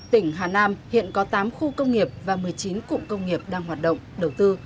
tỉnh hà nam hiện có tám khu công nghiệp và một mươi chín cụm công nghiệp đang hoạt động đầu tư